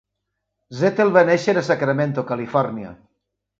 Zettel va néixer a Sacramento, California.